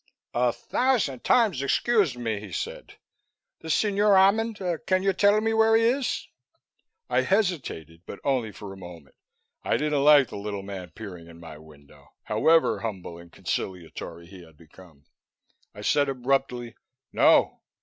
"A thousand times excuse me," he said. "The Signore 'Ammond, can you say where he is?" I hesitated, but only for a moment. I didn't like the little man peering in my window, however humble and conciliatory he had become. I said abruptly, "No."